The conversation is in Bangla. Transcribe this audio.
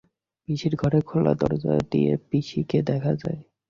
পিসির ঘরে খোলা দরজা দিয়া পিসিকে দেখা যায়।